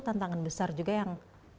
tantangan besar juga yang